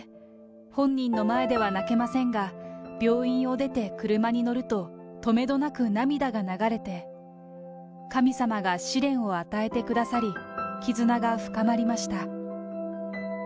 本人の前では泣けませんが、病院を出て車に乗ると、止めどなく涙が流れて、神様が試練を与えてくださり、絆が深まりました。